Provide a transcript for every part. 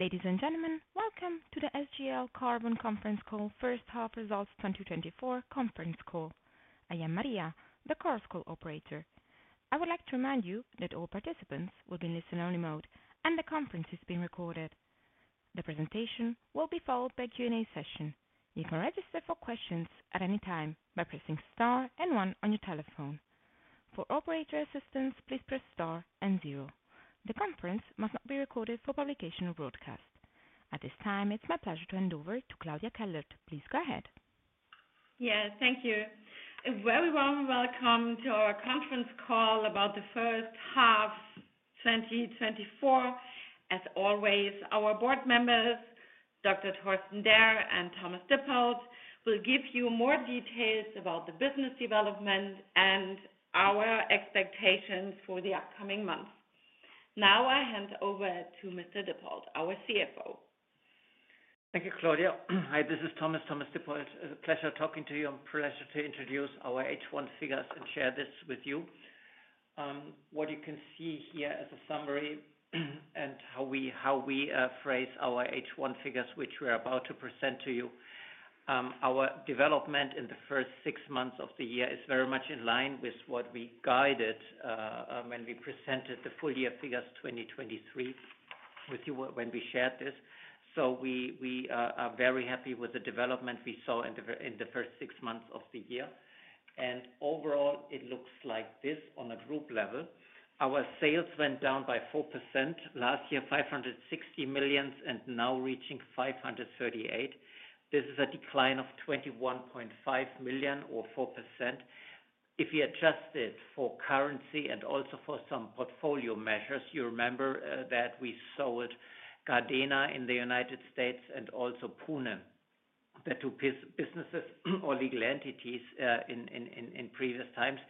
Ladies and gentlemen, welcome to the SGL Carbon conference call, first half results 2024 conference call. I am Maria, the Chorus Call operator. I would like to remind you that all participants will be in listen-only mode, and the conference is being recorded. The presentation will be followed by a Q&A session. You can register for questions at any time by pressing star and one on your telephone. For operator assistance, please press star and zero. The conference must not be recorded for publication or broadcast. At this time, it's my pleasure to hand over to Claudia Kellert. Please go ahead. Yes, thank you. A very warm welcome to our conference call about the first half, 2024. As always, our board members, Dr. Torsten Derr and Thomas Dippold, will give you more details about the business development and our expectations for the upcoming months. Now I hand over to Mr. Dippold, our CFO. Thank you, Claudia. Hi, this is Thomas, Thomas Dippold. It's a pleasure talking to you and pleasure to introduce our H1 figures and share this with you. What you can see here as a summary, and how we phrase our H1 figures, which we are about to present to you. Our development in the first six months of the year is very much in line with what we guided when we presented the full year figures 2023 with you, when we shared this. So we are very happy with the development we saw in the first six months of the year, and overall, it looks like this on a group level. Our sales went down by 4%. Last year, 560 million, and now reaching 538 million. This is a decline of 21.5 million or 4%. If you adjust it for currency and also for some portfolio measures, you remember, that we sold Gardena in the United States and also Pune, the two businesses or legal entities, in previous times.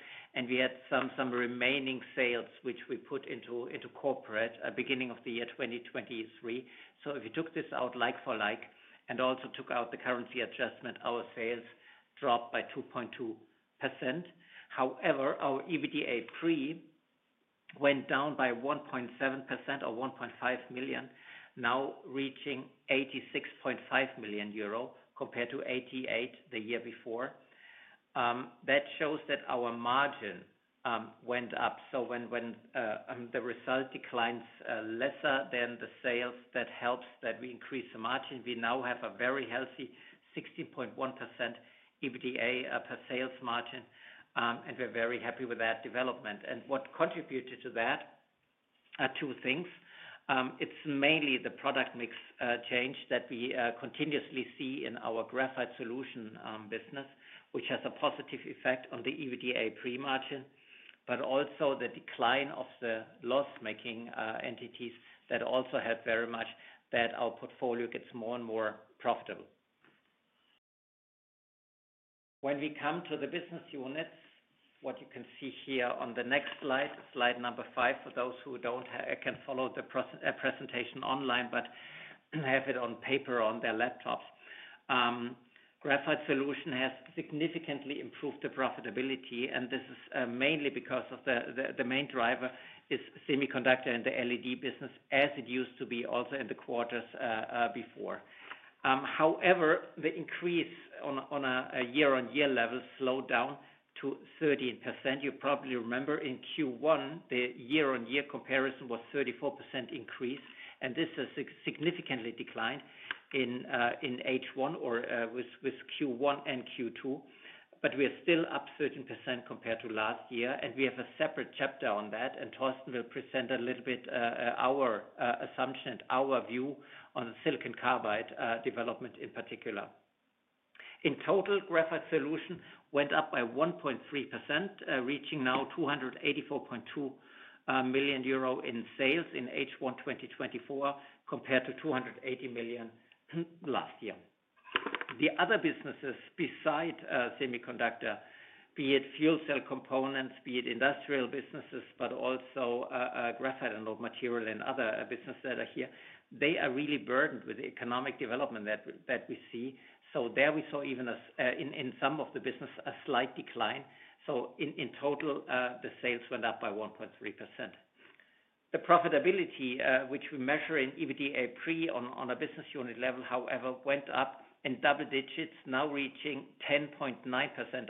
We had some remaining sales, which we put into corporate at beginning of the year 2023. So if you took this out like for like, and also took out the currency adjustment, our sales dropped by 2.2%. However, our EBITDA pre went down by 1.7% or 1.5 million, now reaching 86.5 million euro compared to 88 the year before. That shows that our margin, went up. So when the result declines lesser than the sales, that helps that we increase the margin. We now have a very healthy 16.1% EBITDA per sales margin, and we're very happy with that development. And what contributed to that are two things. It's mainly the product mix change that we continuously see in our Graphite Solutions business, which has a positive effect on the EBITDA pre-margin, but also the decline of the loss-making entities that also help very much that our portfolio gets more and more profitable. When we come to the business units, what you can see here on the next slide, slide number 5, for those who can't follow the presentation online, but have it on paper on their laptops. Graphite Solutions has significantly improved the profitability, and this is mainly because of the main driver is semiconductor and the LED business, as it used to be also in the quarters before. However, the increase on a year-on-year level slowed down to 13%. You probably remember in Q1, the year-on-year comparison was 34% increase, and this has significantly declined in H1 or with Q1 and Q2, but we are still up 13% compared to last year, and we have a separate chapter on that, and Torsten will present a little bit our assumption, our view on the silicon carbide development in particular. In total, Graphite Solutions went up by 1.3%, reaching now 284.2 million euro in sales in H1 2024, compared to 280 million last year. The other businesses besides semiconductor, be it fuel cell components, be it industrial businesses, but also graphite anode material and other businesses that are here, they are really burdened with the economic development that we see. So there we saw even a slight decline in some of the business. So in total, the sales went up by 1.3%. The profitability, which we measure in EBITDA pre on a business unit level, however, went up in double digits, now reaching 10.9%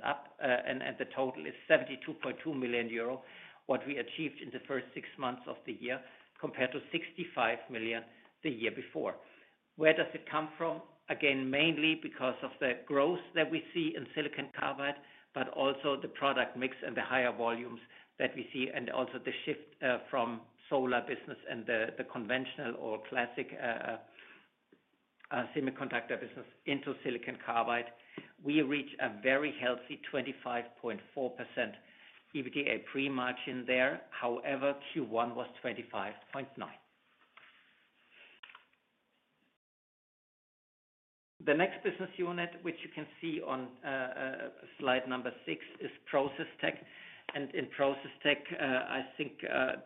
up, and the total is 72.2 million euro, what we achieved in the first six months of the year, compared to 65 million the year before. Where does it come from? Again, mainly because of the growth that we see in silicon carbide, but also the product mix and the higher volumes that we see, and also the shift from solar business and the conventional or classic semiconductor business into silicon carbide. We reach a very healthy 25.4% EBITDA pre-margin there. However, Q1 was 25.9. The next business unit, which you can see on slide number 6, is process tech. And in process tech, I think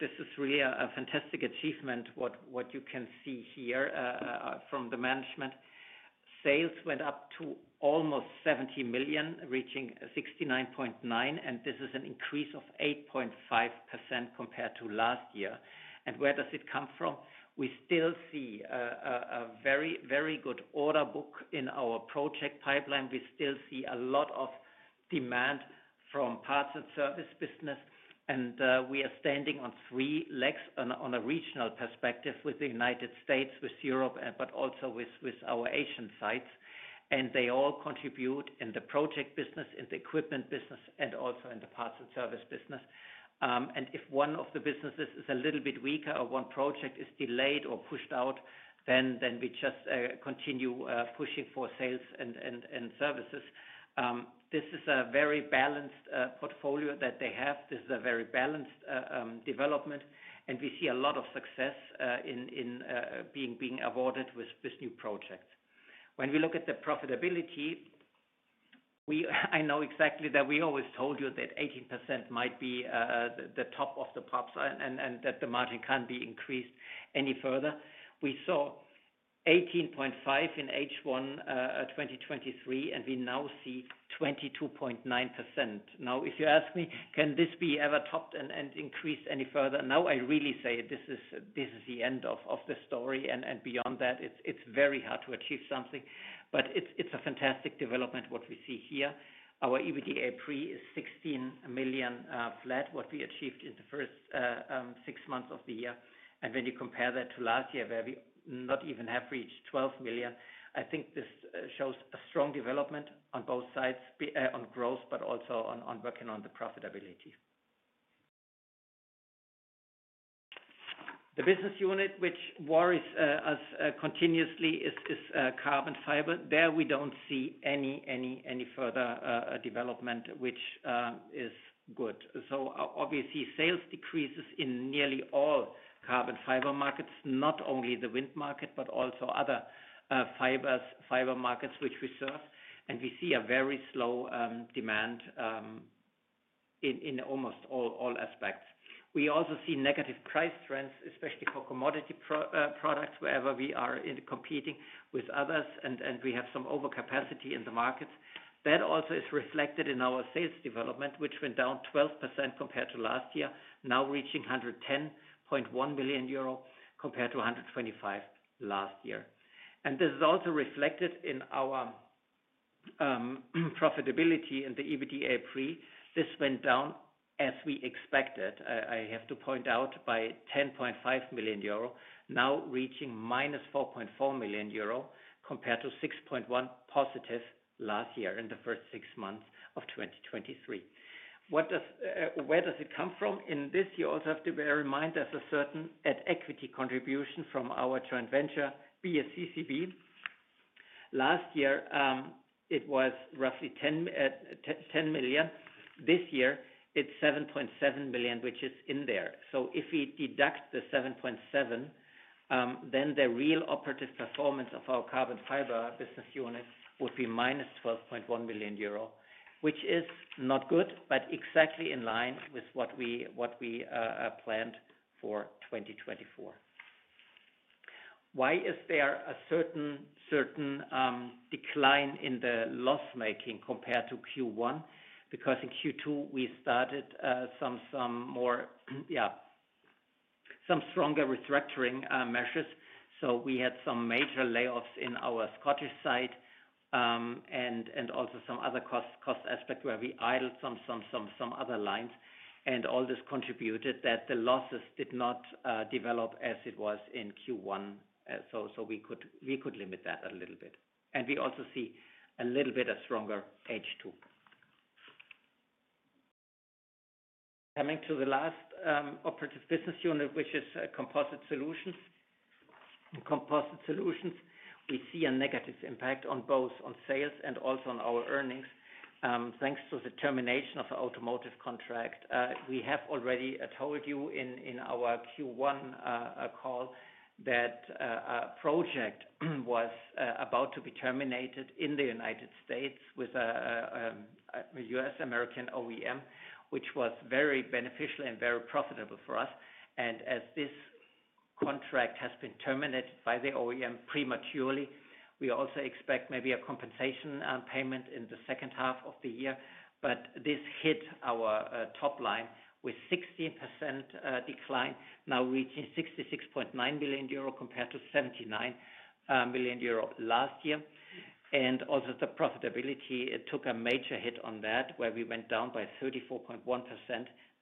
this is really a fantastic achievement, what you can see here from the management. Sales went up to almost 70 million, reaching 69.9 million, and this is an increase of 8.5% compared to last year. And where does it come from? We still see a very, very good order book in our project pipeline. We still see a lot of demand from parts and service business, and we are standing on three legs on a regional perspective with the United States, with Europe, and but also with our Asian sites. And they all contribute in the project business, in the equipment business, and also in the parts and service business. And if one of the businesses is a little bit weaker or one project is delayed or pushed out, then we just continue pushing for sales and services. This is a very balanced portfolio that they have. This is a very balanced development, and we see a lot of success in being awarded with this new project. When we look at the profitability, I know exactly that we always told you that 18% might be the top of the pops and that the margin can't be increased any further. We saw 18.5 in H1 2023, and we now see 22.9%. Now, if you ask me, can this be ever topped and increased any further? Now, I really say this is the end of the story, and beyond that, it's very hard to achieve something, but it's a fantastic development, what we see here. Our EBITDA pre is 16 million, flat, what we achieved in the first six months of the year. And when you compare that to last year, where we not even have reached 12 million, I think this shows a strong development on both sides, on growth, but also on working on the profitability. The business unit, which worries us continuously, is carbon fiber. There, we don't see any further development, which is good. So obviously, sales decreases in nearly all carbon fiber markets, not only the wind market, but also other fibers, fiber markets, which we serve. We see a very slow demand in almost all aspects. We also see negative price trends, especially for commodity products, wherever we are in competing with others, and we have some overcapacity in the markets. That also is reflected in our sales development, which went down 12% compared to last year, now reaching 110.1 billion euro, compared to 125 billion last year. And this is also reflected in our profitability in the EBITDA pre. This went down as we expected, I have to point out, by 10.5 million euro, now reaching -4.4 million euro, compared to +6.1 million last year in the first six months of 2023. Where does it come from? In this, you also have to bear in mind there's a certain at equity contribution from our joint venture, BSCCB. Last year, it was roughly 10 million. This year, it's 7.7 billion, which is in there. So if we deduct the 7.7, then the real operative performance of our carbon fiber business unit would be -12.1 million euro, which is not good, but exactly in line with what we planned for 2024. Why is there a certain decline in the loss-making compared to Q1? Because in Q2, we started some stronger restructuring measures. So we had some major layoffs in our Scottish site, and also some other cost aspect, where we idled some other lines. And all this contributed that the losses did not develop as it was in Q1. So we could limit that a little bit. And we also see a little bit of stronger H2. Coming to the last operative business unit, which is Composite Solutions. Composite Solutions, we see a negative impact on both on sales and also on our earnings, thanks to the termination of the automotive contract. We have already told you in our Q1 call that a project was about to be terminated in the United States with a U.S. American OEM, which was very beneficial and very profitable for us. And as this contract has been terminated by the OEM prematurely, we also expect maybe a compensation payment in the second half of the year. But this hit our top line with 16% decline, now reaching 66.9 billion euro compared to 79 billion euro last year. And also the profitability, it took a major hit on that, where we went down by 34.1%,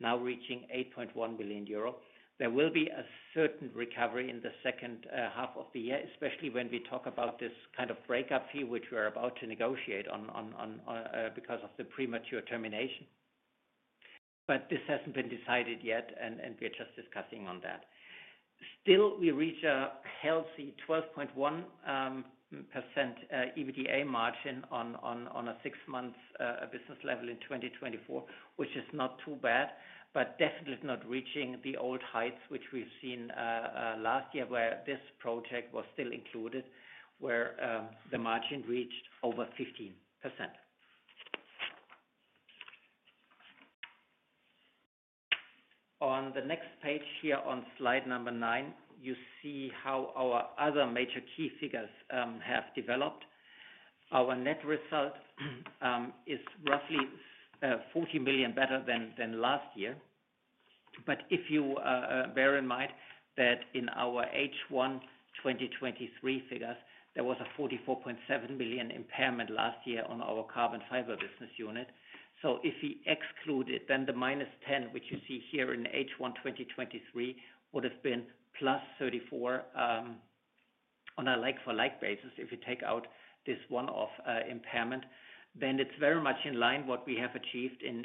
now reaching 8.1 billion euro. There will be a certain recovery in the second half of the year, especially when we talk about this kind of breakup fee, which we are about to negotiate on because of the premature termination. But this hasn't been decided yet, and we are just discussing on that. Still, we reach a healthy 12.1% EBITDA margin on a six-months business level in 2024, which is not too bad, but definitely not reaching the old heights, which we've seen last year, where this project was still included, where the margin reached over 15%.... On the next page here on slide number 9, you see how our other major key figures have developed. Our net result is roughly 40 million better than last year. But if you bear in mind that in our H1 2023 figures, there was a 44.7 billion impairment last year on our carbon fiber business unit. So if we exclude it, then the -10, which you see here in H1 2023, would have been +34, on a like for like basis. If you take out this one-off impairment, then it's very much in line what we have achieved in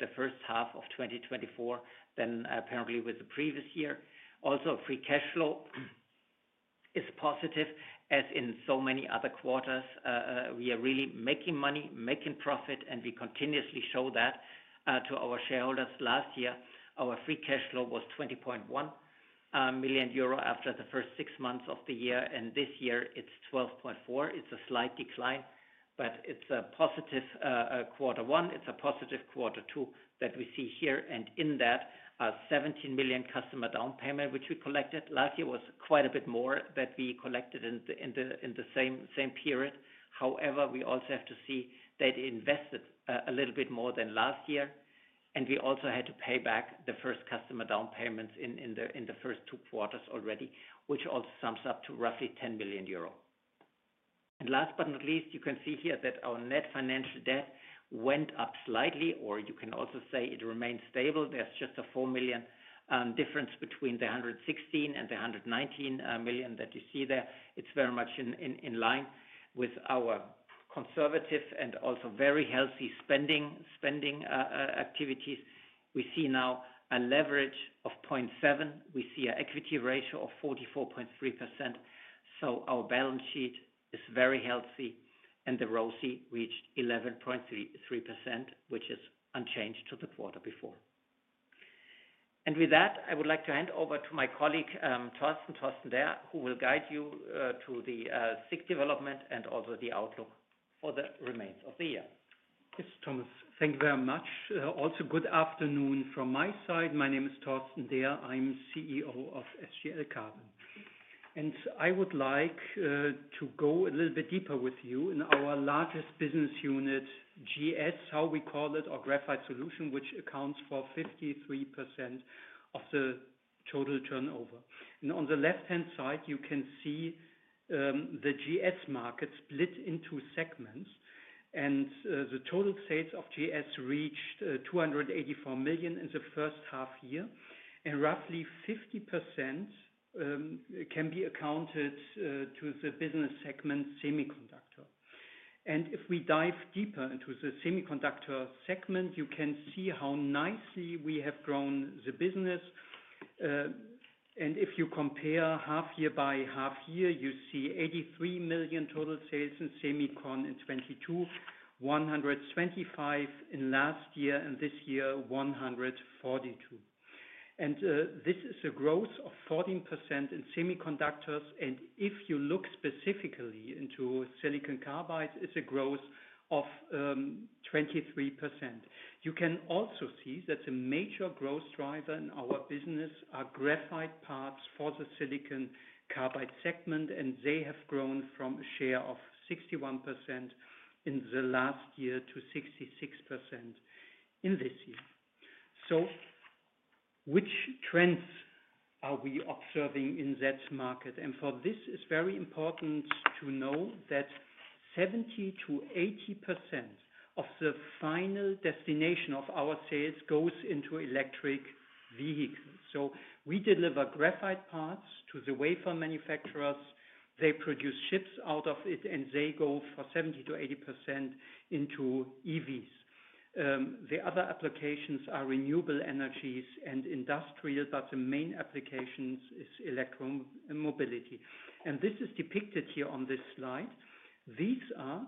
the first half of 2024 than apparently with the previous year. Also, free cash flow is positive, as in so many other quarters. We are really making money, making profit, and we continuously show that to our shareholders. Last year, our free cash flow was 20.1 million euro after the first six months of the year, and this year it's 12.4 million. It's a slight decline, but it's a positive quarter one, it's a positive quarter two that we see here. In that, a 17 million customer down payment, which we collected. Last year was quite a bit more that we collected in the same period. However, we also have to see that invested a little bit more than last year, and we also had to pay back the first customer down payments in the first two quarters already, which all sums up to roughly 10 million euro. Last but not least, you can see here that our net financial debt went up slightly, or you can also say it remains stable. There's just a 4 million difference between the 116 and the 119 million that you see there. It's very much in line with our conservative and also very healthy spending activities. We see now a leverage of 0.7. We see an equity ratio of 44.3%, so our balance sheet is very healthy and the ROCE reached 11.33%, which is unchanged to the quarter before. And with that, I would like to hand over to my colleague, Torsten Derr, who will guide you to the segment development and also the outlook for the remainder of the year. Yes, Thomas, thank you very much. Also, good afternoon from my side. My name is Torsten Derr, I'm CEO of SGL Carbon. And I would like to go a little bit deeper with you in our largest business unit, GS, how we call it, or Graphite Solution, which accounts for 53% of the total turnover. And on the left-hand side, you can see the GS market split into segments, and the total sales of GS reached 284 million in the first half year, and roughly 50% can be accounted to the business segment, Semiconductor. And if we dive deeper into the Semiconductor segment, you can see how nicely we have grown the business. If you compare half year by half year, you see 83 million total sales in semicon in 2022, 125 million in last year, and this year, 142 million. This is a growth of 14% in semiconductors, and if you look specifically into silicon carbide, it's a growth of 23%. You can also see that the major growth driver in our business are graphite parts for the silicon carbide segment, and they have grown from a share of 61% in the last year to 66% in this year. Which trends are we observing in that market? For this, it's very important to know that 70%-80% of the final destination of our sales goes into electric vehicles. So we deliver graphite parts to the wafer manufacturers, they produce chips out of it, and they go for 70%-80% into EVs. The other applications are renewable energies and industrial, but the main applications is electromobility. And this is depicted here on this slide. These are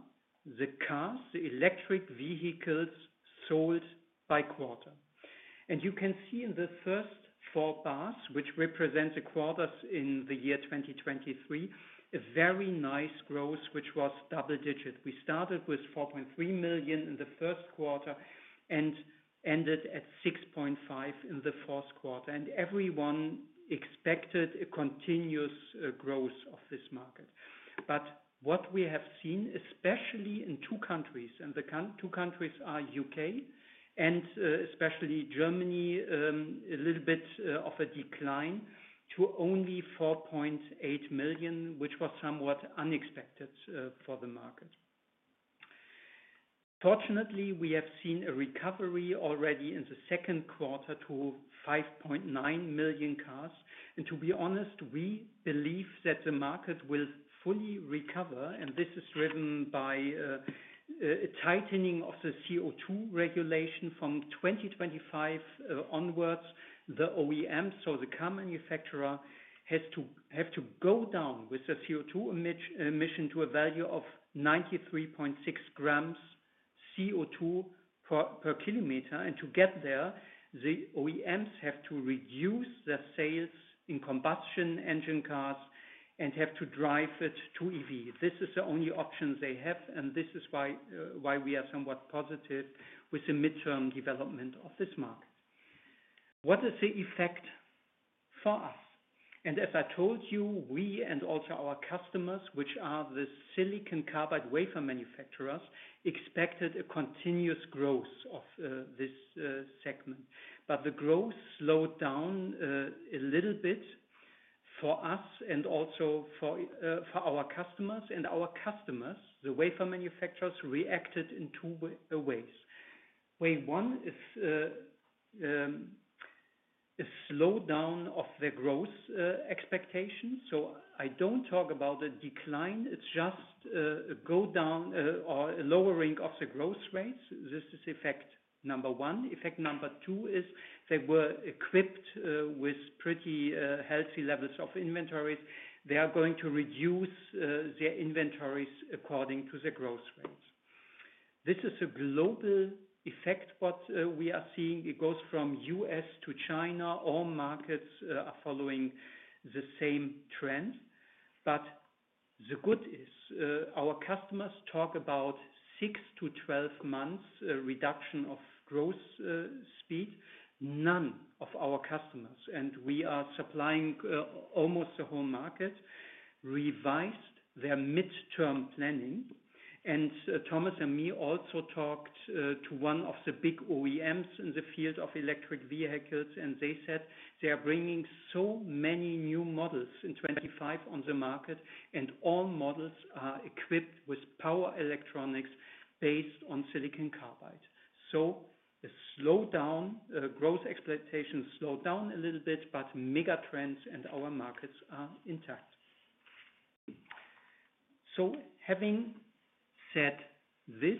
the cars, the electric vehicles, sold by quarter. And you can see in the first four bars, which represent the quarters in the year 2023, a very nice growth, which was double-digit. We started with 4.3 million in the first quarter, and ended at 6.5 million in the fourth quarter, and everyone expected a continuous growth of this market. But what we have seen, especially in two countries, and the two countries are UK and, especially Germany, a little bit, of a decline to only 4.8 million, which was somewhat unexpected, for the market. Fortunately, we have seen a recovery already in the second quarter to 5.9 million cars. And to be honest, we believe that the market will fully recover, and this is driven by, a tightening of the CO2 regulation from 2025, onwards. The OEM, so the car manufacturer, has to-- have to go down with the CO2 emission to a value of 93.6 grams CO2 per, kilometer. And to get there, the OEMs have to reduce their sales in combustion engine cars and have to drive it to EV. This is the only option they have, and this is why we are somewhat positive with the midterm development of this market... What is the effect for us? And as I told you, we and also our customers, which are the silicon carbide wafer manufacturers, expected a continuous growth of this segment. But the growth slowed down a little bit for us and also for our customers. And our customers, the wafer manufacturers, reacted in two ways. Way one is a slowdown of their growth expectations. So I don't talk about a decline, it's just a go down or a lowering of the growth rates. This is effect number one. Effect number two is they were equipped with pretty healthy levels of inventories. They are going to reduce their inventories according to the growth rates. This is a global effect, what we are seeing. It goes from U.S. to China. All markets are following the same trend. But the good is, our customers talk about 6 to 12 months reduction of growth speed. None of our customers, and we are supplying almost the whole market, revised their midterm planning. And Thomas and me also talked to one of the big OEMs in the field of electric vehicles, and they said they are bringing so many new models in 2025 on the market, and all models are equipped with power electronics based on silicon carbide. So a slowdown growth expectations slow down a little bit, but mega trends and our markets are intact. So having said this,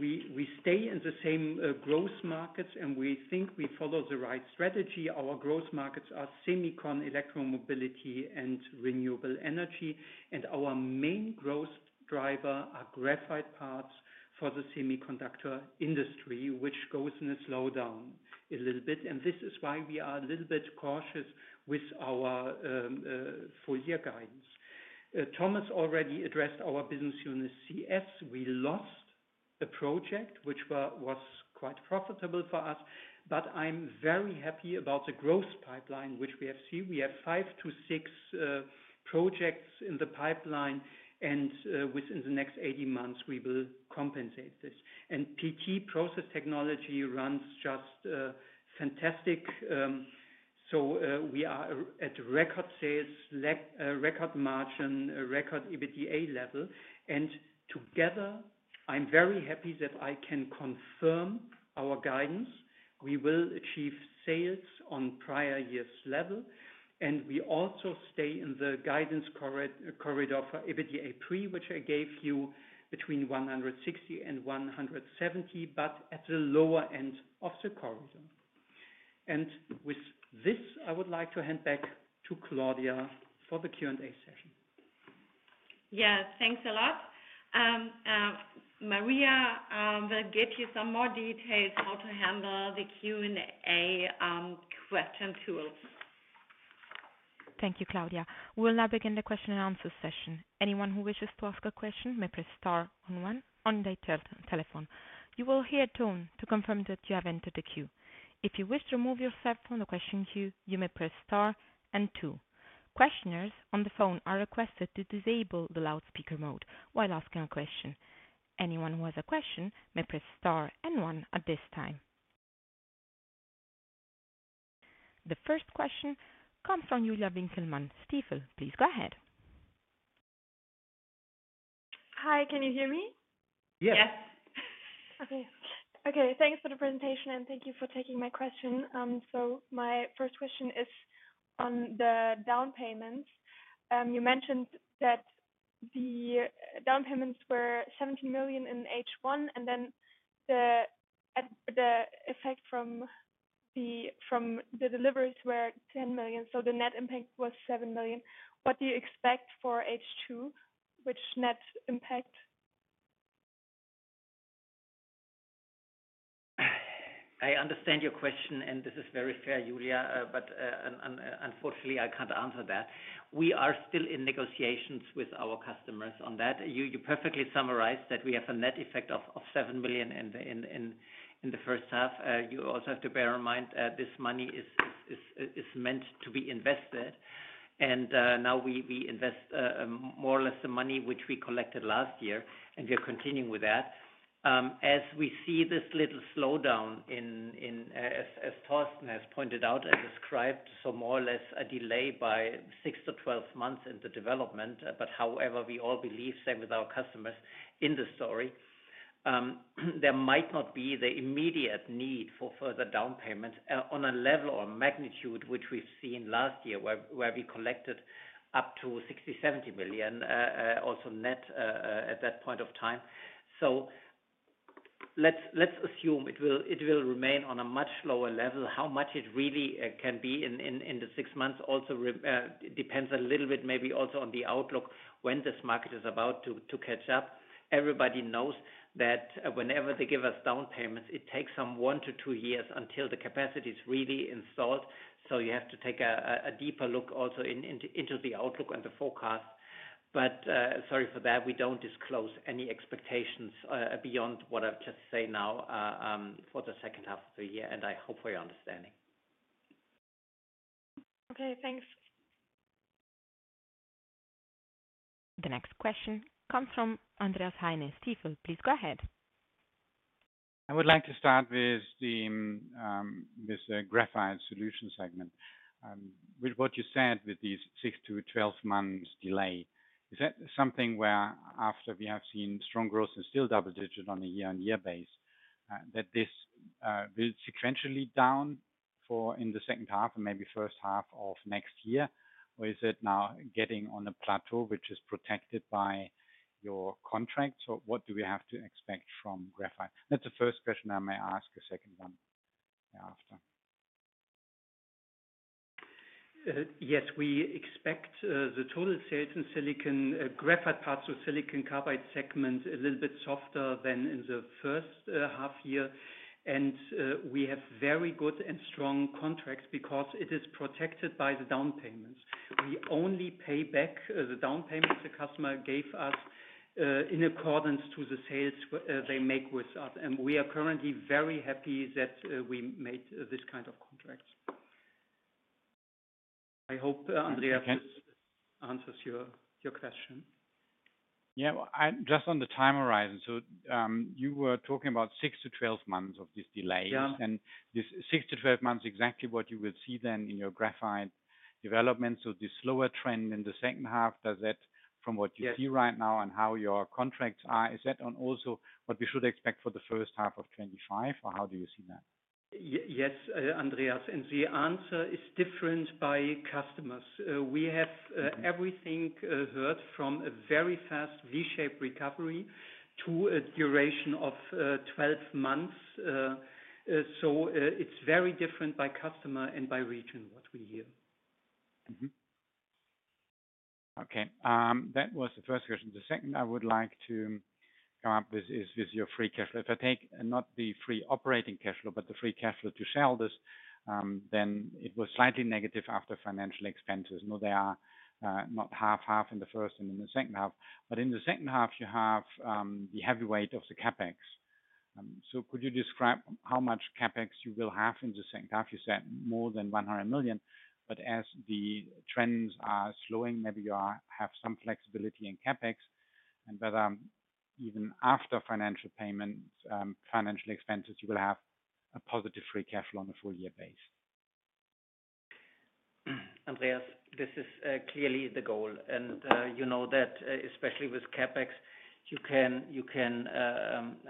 we stay in the same growth markets, and we think we follow the right strategy. Our growth markets are semicon, electromobility, and renewable energy. Our main growth driver are graphite parts for the semiconductor industry, which goes in a slowdown a little bit, and this is why we are a little bit cautious with our full year guidance. Thomas already addressed our business unit CS. We lost a project which was quite profitable for us, but I'm very happy about the growth pipeline, which we have seen. We have 5-6 projects in the pipeline, and within the next 18 months, we will compensate this. And PT, Process Technology, runs just fantastic. We are at record sales, record margin, a record EBITDA level. And together, I'm very happy that I can confirm our guidance. We will achieve sales on prior years level, and we also stay in the guidance corridor for EBITDA pre, which I gave you between 160 and 170, but at the lower end of the corridor. With this, I would like to hand back to Claudia for the Q&A session. Yes, thanks a lot. Maria will get you some more details how to handle the Q&A question tool. Thank you, Claudia. We will now begin the question and answer session. Anyone who wishes to ask a question may press star one on their telephone. You will hear a tone to confirm that you have entered the queue. If you wish to remove yourself from the question queue, you may press star and two. Questioners on the phone are requested to disable the loudspeaker mode while asking a question. Anyone who has a question may press star and one at this time. The first question comes from Julia Winkelmann, Stifel. Please go ahead. Hi, can you hear me? Yes. Yes. Okay. Okay, thanks for the presentation, and thank you for taking my question. My first question is on the down payments. You mentioned that the down payments were 17 million in H1, and then the effect from the, from the deliveries were 10 million, so the net impact was 7 million. What do you expect for H2? Which net impact? I understand your question, and this is very fair, Julia, but unfortunately, I can't answer that. We are still in negotiations with our customers on that. You perfectly summarized that we have a net effect of 7 million in the first half. You also have to bear in mind, this money is meant to be invested. And now we invest more or less the money which we collected last year, and we are continuing with that. As we see this little slowdown, as Torsten has pointed out and described, so more or less a delay by 6-12 months in the development. However, we all believe, same with our customers in the story, there might not be the immediate need for further down payments, on a level or magnitude which we've seen last year, where we collected up to 60-70 million, also net, at that point of time. So let's assume it will remain on a much lower level. How much it really can be in the 6 months also depends a little bit, maybe also on the outlook, when this market is about to catch up. Everybody knows that, whenever they give us down payments, it takes some 1-2 years until the capacity is really installed. So you have to take a deeper look also into the outlook and the forecast. But sorry for that. We don't disclose any expectations beyond what I've just said now for the second half of the year, and I hope for your understanding. Okay, thanks. The next question comes from Andreas Heine, Stifel. Please go ahead. I would like to start with the Graphite Solutions segment. With what you said, with these 6-12 months delay, is that something where after we have seen strong growth and still double digit on a year-on-year base, that this will sequentially down for in the second half and maybe first half of next year? Or is it now getting on a plateau, which is protected by your contracts, or what do we have to expect from Graphite? That's the first question. I may ask a second one thereafter. Yes, we expect the total sales in silicon graphite parts of Silicon Carbide segment a little bit softer than in the first half year. And we have very good and strong contracts because it is protected by the down payments. We only pay back the down payments the customer gave us in accordance to the sales they make with us, and we are currently very happy that we made this kind of contracts. I hope Andreas answers your question. Yeah. Well, just on the time horizon. So, you were talking about 6-12 months of this delay. Yeah. This 6-12 months, exactly what you will see then in your graphite development. The slower trend in the second half, does that from what you- Yes. See right now and how your contracts are, is that on also what we should expect for the first half of 2025, or how do you see that? Yes, Andreas, and the answer is different by customers. We have heard everything from a very fast V-shaped recovery to a duration of 12 months. So, it's very different by customer and by region, what we hear. Mm-hmm. Okay, that was the first question. The second I would like to come up with is your free cash flow. If I take not the free operating cash flow, but the free cash flow to equity, then it was slightly negative after financial expenses. No, they are not half/half in the first and in the second half. But in the second half you have the heavyweight of the CapEx. So could you describe how much CapEx you will have in the second half? You said more than 100 million, but as the trends are slowing, maybe you have some flexibility in CapEx. And whether even after financial payments, financial expenses, you will have a positive free cash flow on a full year basis. Andreas, this is clearly the goal. And, you know that, especially with CapEx, you can, you can,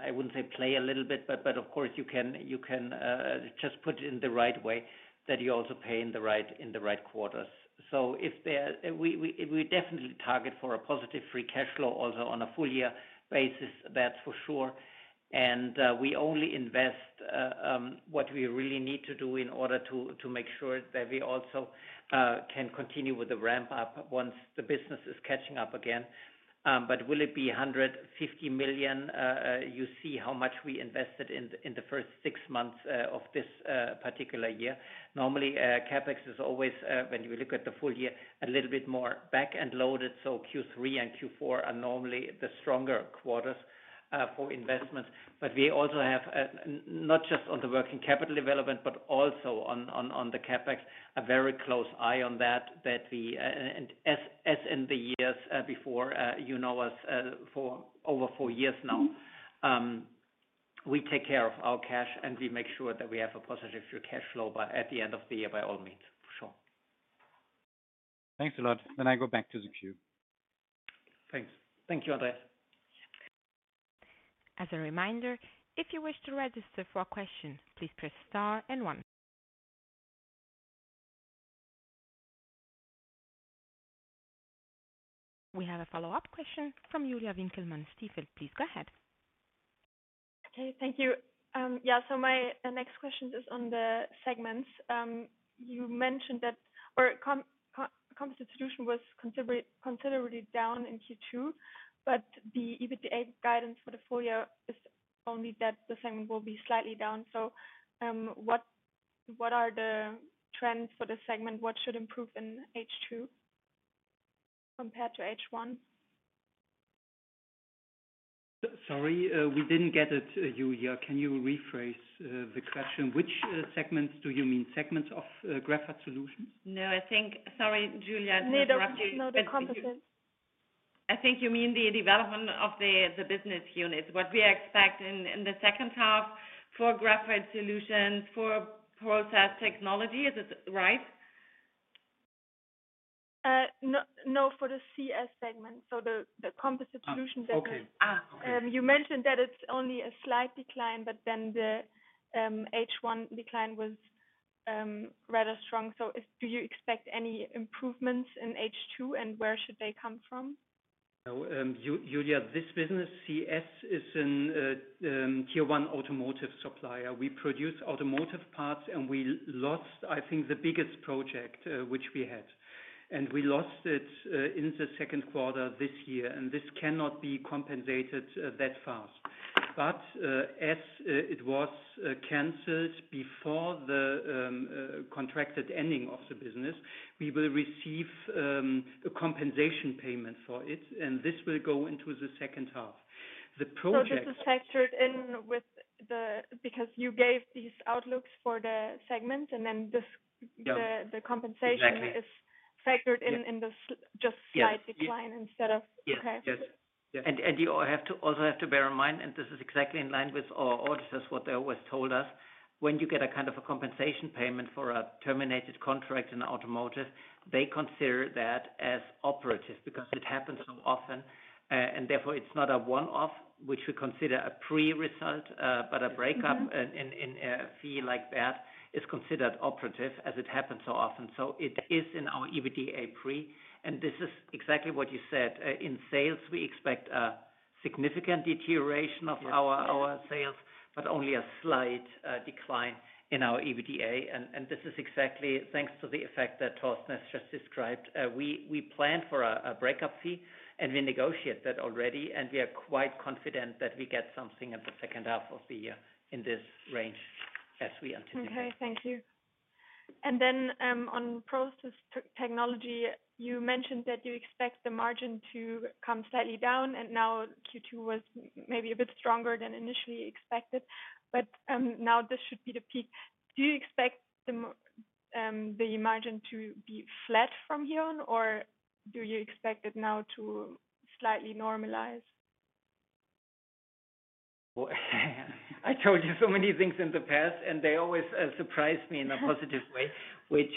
I wouldn't say play a little bit, but, but of course you can, you can, just put it in the right way, that you also pay in the right, in the right quarters. So we definitely target for a positive free cash flow, also on a full year basis, that's for sure. And, we only invest, what we really need to do in order to, to make sure that we also, can continue with the ramp up once the business is catching up again. But will it be 150 million? You see how much we invested in, in the first six months, of this, particular year. Normally, CapEx is always, when you look at the full year, a little bit more back and loaded. So Q3 and Q4 are normally the stronger quarters, for investments. But we also have, not just on the working capital development, but also on the CapEx, a very close eye on that, that we, and as in the years, before, you know us, for over four years now. We take care of our cash, and we make sure that we have a positive free cash flow, but at the end of the year, by all means, for sure. Thanks a lot. Then I go back to the queue. Thanks. Thank you, Andreas. As a reminder, if you wish to register for a question, please press star and one. We have a follow-up question from Julia Winkelmann, Stifel. Please go ahead. Okay, thank you. Yeah, so my next question is on the segments. You mentioned that composition was considerably, considerably down in Q2, but the EBITDA guidance for the full year is only that the segment will be slightly down. So, what are the trends for the segment? What should improve in H2 compared to H1? Sorry, we didn't get it, Julia. Can you rephrase the question? Which segments do you mean? Segments of Graphite Solutions? No, I think... Sorry, Julia, I interrupted you- No, the composite. I think you mean the development of the business unit. What we expect in the second half for Graphite Solutions, for Process Technology. Is it right? No, no, for the CS segment, so the Composite Solutions segment. Oh, okay. Ah, okay. You mentioned that it's only a slight decline, but then the H1 decline was rather strong. So do you expect any improvements in H2, and where should they come from? Oh, Julia, this business, CS, is in a tier one automotive supplier. We produce automotive parts, and we lost, I think, the biggest project which we had. And we lost it in the second quarter this year, and this cannot be compensated that fast. But as it was canceled before the contracted ending of the business, we will receive a compensation payment for it, and this will go into the second half. The project- So this is factored in with, because you gave these outlooks for the segment, and then this. Yeah. The compensation- Exactly. Is factored in, in this- Yes Just slight decline instead of- Yes. Okay. Yes. Yes. And you also have to bear in mind, and this is exactly in line with our auditors, what they always told us. When you get a kind of a compensation payment for a terminated contract in automotive, they consider that as operative, because it happens so often. And therefore it's not a one-off, which we consider a pre-result, but a breakup- Mm-hmm. In a fee like that is considered operative, as it happens so often. So it is in our EBITDA pre, and this is exactly what you said. In sales, we expect a significant deterioration of our- Yes... our sales, but only a slight decline in our EBITDA. And this is exactly thanks to the effect that Torsten has just described. We planned for a breakup fee, and we negotiate that already, and we are quite confident that we get something in the second half of the year in this range, as we anticipated. Okay, thank you. And then, on process technology, you mentioned that you expect the margin to come slightly down, and now Q2 was maybe a bit stronger than initially expected. But, now this should be the peak. Do you expect the margin to be flat from here on, or do you expect it now to slightly normalize? I told you so many things in the past, and they always surprise me in a positive way. Which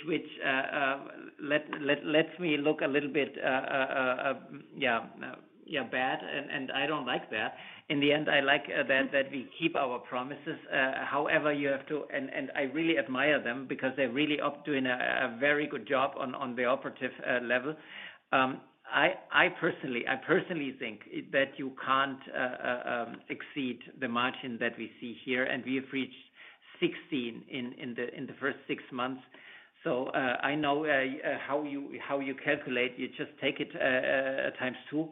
lets me look a little bit bad, and I don't like that. In the end, I like that- Mm-hmm... that we keep our promises. However, you have to—and I really admire them because they're really up doing a very good job on the operative level. I personally think that you can't exceed the margin that we see here, and we have reached 16 in the first six months. So, I know how you calculate, you just take it times two.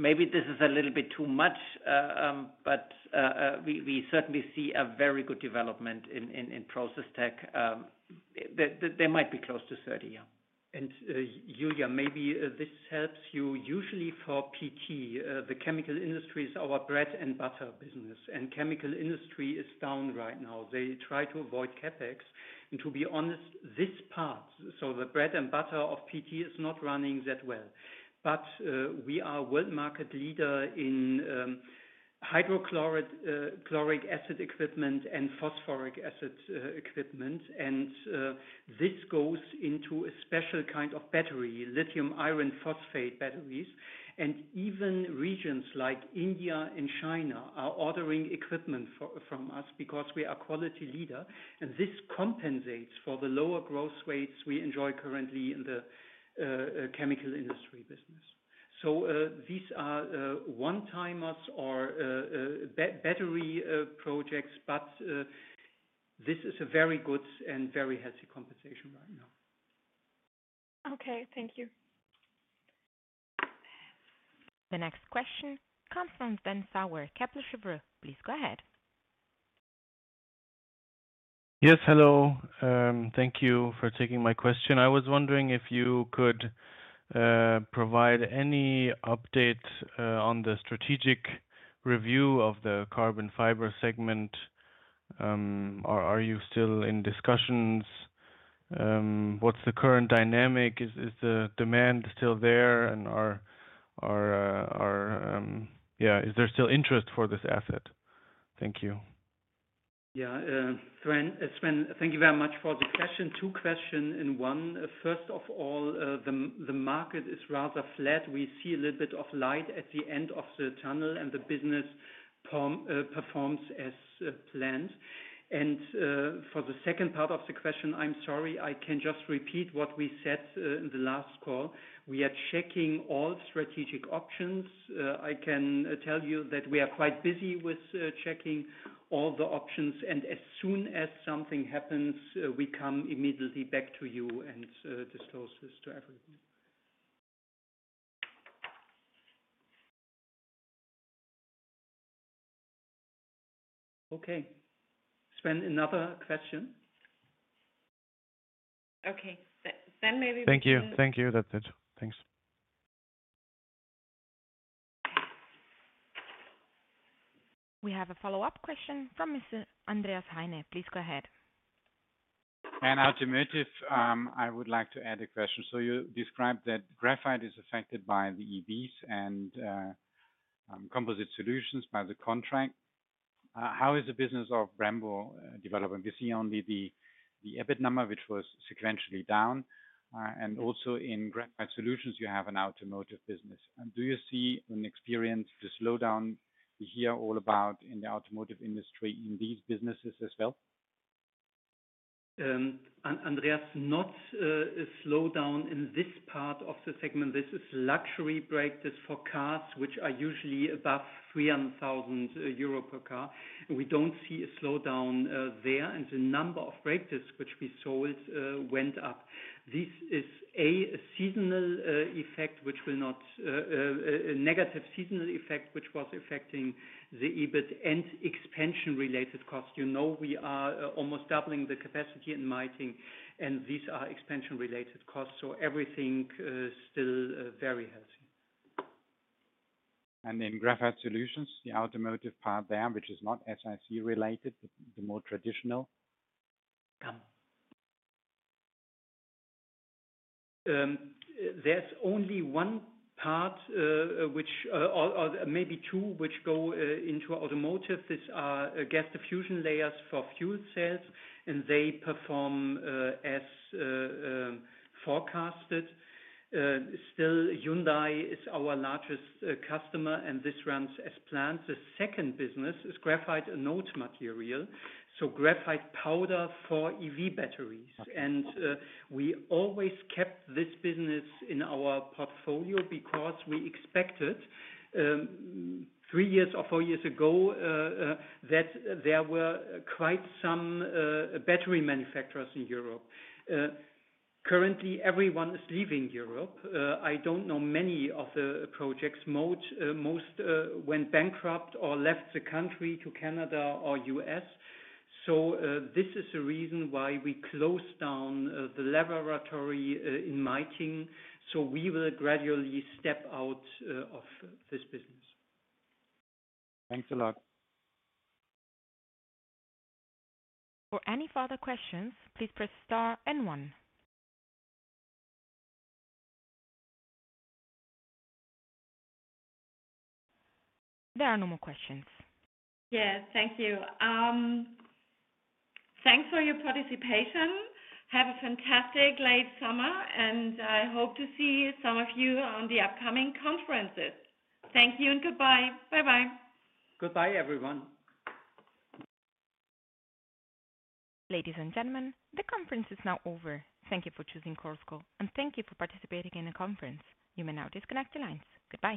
Maybe this is a little bit too much, but we certainly see a very good development in process tech. There might be close to 30, yeah. And, Julia, maybe this helps you. Usually for PT, the chemical industry is our bread and butter business, and chemical industry is down right now. They try to avoid CapEx, and to be honest, this part, so the bread and butter of PT, is not running that well. But, we are world market leader in, hydrochloric acid equipment and phosphoric acid, equipment. And, this goes into a special kind of battery, lithium iron phosphate batteries. And even regions like India and China are ordering equipment from us because we are quality leader, and this compensates for the lower growth rates we enjoy currently in the, chemical industry business. So, these are, one-timers or, battery projects, but, this is a very good and very healthy compensation right now. Okay, thank you. The next question comes from Sven Sauer, Kepler Cheuvreux. Please go ahead. Yes, hello. Thank you for taking my question. I was wondering if you could provide any update on the strategic review of the carbon fiber segment. Are you still in discussions? What's the current dynamic? Is the demand still there, and are... Yeah, is there still interest for this asset? Thank you. Yeah, Sven, Sven, thank you very much for the question. Two questions in one. First of all, the market is rather flat. We see a little bit of light at the end of the tunnel, and the business performs as planned. For the second part of the question, I'm sorry, I can just repeat what we said in the last call. We are checking all strategic options. I can tell you that we are quite busy with checking all the options, and as soon as something happens, we come immediately back to you and disclose to everyone. Okay. Sven, another question? Okay. Sven, maybe we can- Thank you. Thank you. That's it. Thanks. We have a follow-up question from Mr. Andreas Heine. Please go ahead. And automotive, I would like to add a question. So you described that graphite is affected by the EVs and, composite solutions by the contract. How is the business of Brembo developing? We see only the EBIT number, which was sequentially down. And also in Graphite Solutions, you have an automotive business. And do you see and experience the slowdown we hear all about in the automotive industry, in these businesses as well? Andreas, not a slowdown in this part of the segment. This is luxury brake disc for cars, which are usually above 300,000 euro per car. We don't see a slowdown there, and the number of brake disc which we sold went up. This is a seasonal effect, which will not a negative seasonal effect, which was affecting the EBIT and expansion-related costs. You know, we are almost doubling the capacity in Meitingen, and these are expansion-related costs, so everything still very healthy.... And in Graphite Solutions, the automotive part there, which is not SiC related, the more traditional? There's only one part, or maybe two, which go into automotive. These are gas diffusion layers for fuel cells, and they perform as forecasted. Still, Hyundai is our largest customer, and this runs as planned. The second business is graphite anode material, so graphite powder for EV batteries. We always kept this business in our portfolio because we expected three years or four years ago that there were quite some battery manufacturers in Europe. Currently, everyone is leaving Europe. I don't know many of the projects. Most went bankrupt or left the country to Canada or U.S. This is the reason why we closed down the laboratory in Meitingen. We will gradually step out of this business. Thanks a lot. For any further questions, please press star and one. There are no more questions. Yes, thank you. Thanks for your participation. Have a fantastic late summer, and I hope to see some of you on the upcoming conferences. Thank you and goodbye. Bye-bye. Goodbye, everyone. Ladies and gentlemen, the conference is now over. Thank you for choosing Chorus Call, and thank you for participating in the conference. You may now disconnect your lines. Goodbye.